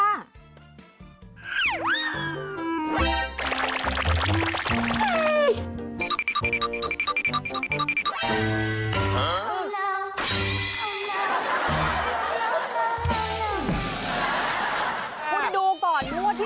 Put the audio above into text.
ฮ่าโอ้โล่โล่โล่โลโลโลโลโล